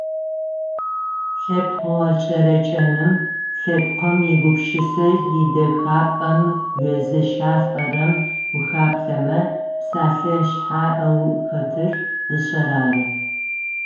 Лъэпкъ гъэкӏэрэкӏэным, лъэпкъым игупшысэ идэхапӏэм уезыщалӏэрэм ухаплъэмэ псэлъэ шъхьаӏэу хэтыр - дышъэр ары.